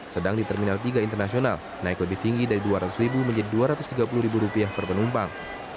sedang di terminal tiga internasional naik lebih tinggi dari rp dua ratus menjadi rp dua ratus tiga puluh per penumpang